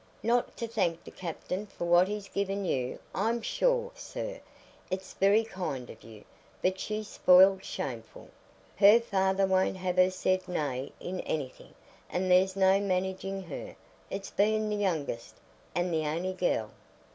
Not to thank the captain for what he's given you I'm sure, sir, it's very kind of you; but she's spoiled shameful; her father won't have her said nay in anything, and there's no managing her. It's being the youngest, and th' only gell."